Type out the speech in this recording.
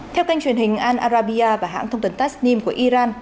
theo kênh truyền hình al arabiya và hãng thông tin tasnim của iran